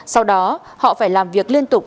sau đó họ phải làm việc liên tục